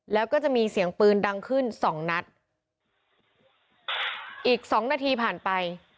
แล้วก็จะมีเสียงปืนดังขึ้นสองนัดอีกสองนาทีผ่านไป